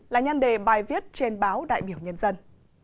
là nhân đề bài viết trên báo đại biểu nhân dân